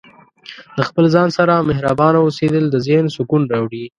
د خپل ځان سره مهربانه اوسیدل د ذهن سکون راوړي.